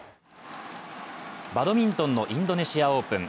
バドミントンのインドネシアオープン。